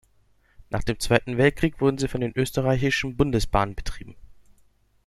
Nach dem Zweiten Weltkrieg wurde sie von den Österreichischen Bundesbahnen betrieben.